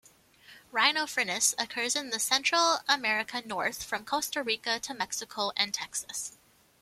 "Rhinophrynus" occurs in the Central America north from Costa Rica to Mexico and Texas.